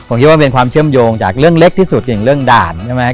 ผมคิดว่าเป็นความเชื่อมโยงจากเรื่องเล็กที่สุดอย่างเรื่องด่านใช่ไหม